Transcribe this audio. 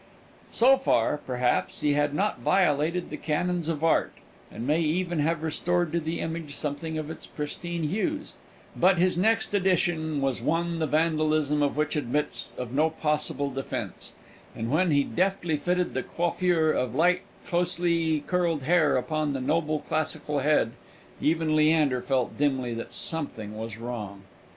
So far, perhaps, he had not violated the canons of art, and may even have restored to the image something of its pristine hues; but his next addition was one the vandalism of which admits of no possible defence, and when he deftly fitted the coiffure of light closely curled hair upon the noble classical head, even Leander felt dimly that something was wrong!